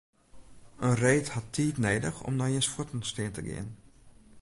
In reed hat tiid nedich om nei jins fuotten stean te gean.